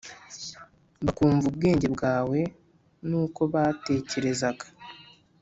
bakumva ubwenge bwawe nukko batekerezaga